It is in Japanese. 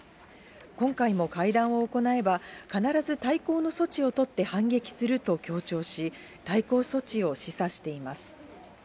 今回も会談を行えば、必ず対抗の措置を取って反撃すると強調し、対抗措置を示唆しています。